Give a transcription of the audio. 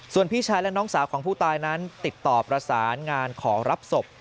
ส่วนพี่ชายและน้องสาวของผู้ตายนั้นติดต่อประสานงานขอรับศพ